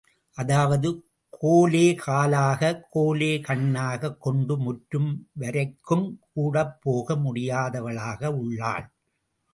அதாவது, கோலே காலாக, கோலே கண்ணாகக் கொண்டு முற்றம் வரைக்குங் கூடப்போக முடியாதவளாக உள்ளாள்.